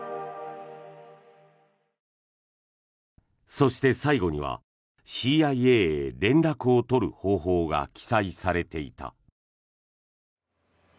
そして最後にはＣＩＡへ連絡を取る方法が記載されていた。